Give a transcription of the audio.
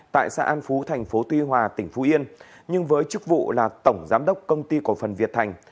tại xã an phú thành phố tuy hòa tỉnh phú yên nhưng với chức vụ là tổng giám đốc công ty cổ phần việt thành